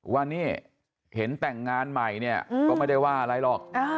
ว่านี่เห็นแต่งงานใหม่เนี่ยก็ไม่ได้ว่าอะไรหรอก